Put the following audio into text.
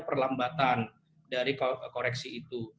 perlambatan dari koreksi itu